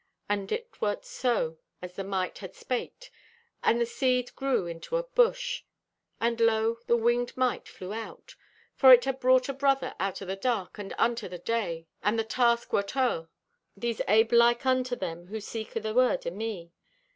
And it wert so as the Mite had spaked. And the Seed grew into a bush. "And lo, the winged Mite flew out: for it had brought a brother out o' the dark and unto the Day, and the task wert o'er. "These abe like unto them who seek o' the words o' me.